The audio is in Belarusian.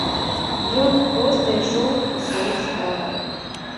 Ён проста ішоў па сваіх справах.